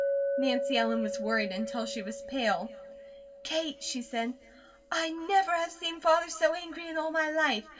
Nancy Ellen was worried, until she was pale. "Kate," she said, "I never have seen Father so angry in all my life.